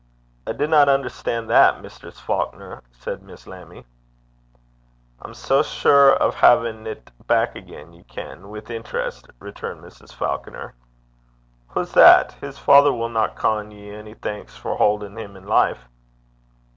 'I dinna understan' that, Mistress Faukner,' said Miss Lammie. 'I'm sae sure o' haein' 't back again, ye ken, wi' interest,' returned Mrs. Falconer. 'Hoo's that? His father winna con ye ony thanks for haudin' him in life.'